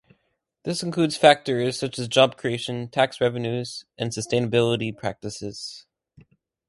This includes factors such as job creation, tax revenues, and sustainability practices.